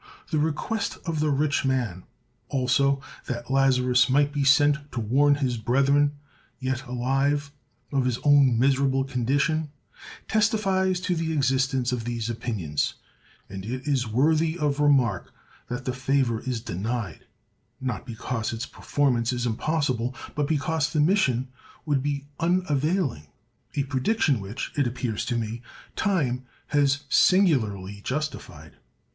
The request of the rich man, also, that Lazarus might be sent to warn his brethren, yet alive, of his own miserable condition, testifies to the existence of these opinions; and it is worthy of remark that the favor is denied, not because its performance is impossible, but because the mission would be unavailing—a prediction which, it appears to me, time has singularly justified.